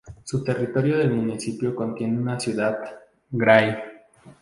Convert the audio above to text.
El territorio del municipio contiene una ciudad, Gray.